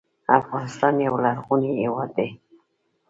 افغانستان یو لرغونی هیواد دی